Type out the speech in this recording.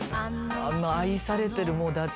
あの愛されてる。